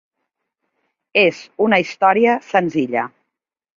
És una història senzilla.